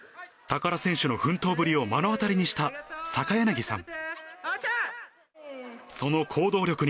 高田選手の奮闘ぶりを目の当たりにした坂柳さん。